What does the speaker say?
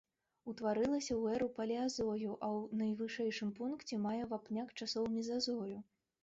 Утварылася ў эру палеазою, а ў найвышэйшым пункце мае вапняк часоў мезазою.